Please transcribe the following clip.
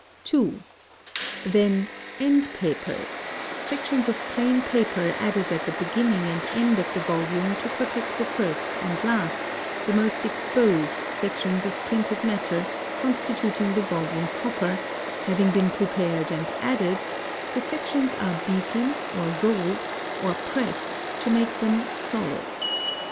(2) Then "end papers" sections of plain paper added at the beginning and end of the volume to protect the first and last, the most exposed, sections of printed matter constituting the volume proper having been prepared and added, the sections are beaten, or rolled, or pressed, to make them "solid."